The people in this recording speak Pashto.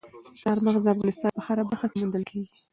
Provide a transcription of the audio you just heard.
چار مغز د افغانستان په هره برخه کې موندل کېږي.